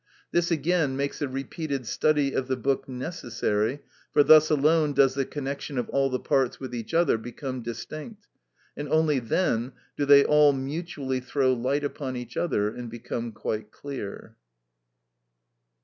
This again makes a repeated study of the book necessary, for thus alone does the connection of all the parts with each other become distinct, and only then do they all mutually throw light upon each other and become quite clear.